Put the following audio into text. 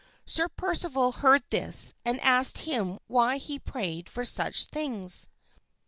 Sir Percival heard this and asked him why he prayed for such things.